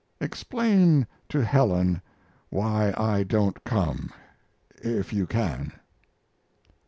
Explain to Helen why I don't come. If you can.